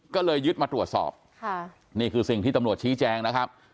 ก็เลยยึดมาตรวจสอบค่ะนี่คือสิ่งที่ตำรวจชี้แจงนะครับ